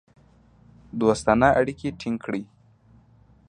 دوستانه اړیکې ټینګ کړې.